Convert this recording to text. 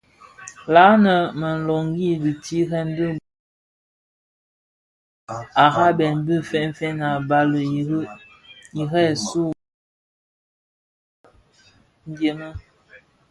Lanne më nloghi dhi tirèd ti bodhèn bi gari yi bë araben bi fènfèn a bali Ire kisu: Mbai la? nkan la? dhëni.